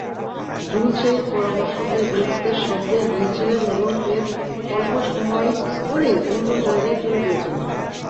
Joules সেই পরামর্শকে গুরুত্বের সঙ্গে নিয়েছিলেন এবং এর অল্পসময় পরেই অন্য জায়গায় চলে গিয়েছিলেন।